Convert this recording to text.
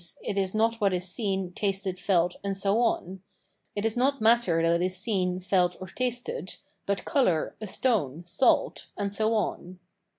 it is not what is seen, tasted, felt, and so on ; it is not matter that is seen, felt, or tasted, but colour, a stone, salt, and so on.